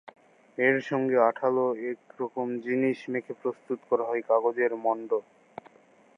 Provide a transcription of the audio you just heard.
এর সঙ্গে আঠালো একরকম জিনিস মেখে প্রস্তুত করা হয় কাগজের মণ্ড।